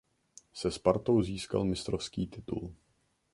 Se Spartou získal mistrovský titul.